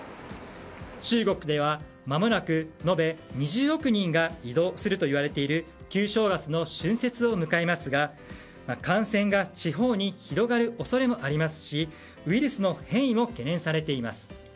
中国では、まもなく延べ２０億人が移動するという旧正月の春節を迎えますが感染が地方に広がる恐れもありますしウイルスの変異も懸念されています。